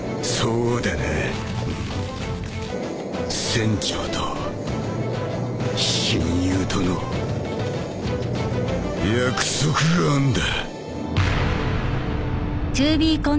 船長と親友との約束があんだ。